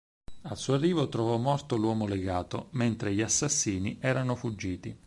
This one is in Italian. Al suo arrivo trovò morto l'uomo legato, mentre gli assassini erano fuggiti.